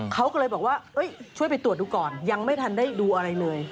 เขาก็เลยบอกว่าช่วยไปตรวจดูก่อนยังไม่ทันได้ดูอะไรเลย